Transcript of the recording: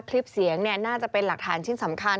คลิปเสียงน่าจะเป็นหลักฐานชิ้นสำคัญ